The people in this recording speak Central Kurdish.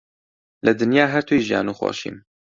لە دنیا هەر تۆی ژیان و خۆشیم